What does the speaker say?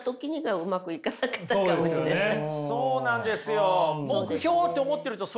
そうなんですよ。